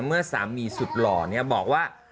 เมื่อสามีสุดหล่อบอกว่า